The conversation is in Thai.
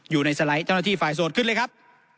สไลด์เจ้าหน้าที่ฝ่ายโสดขึ้นเลยครับ